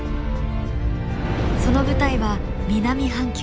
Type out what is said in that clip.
その舞台は南半球。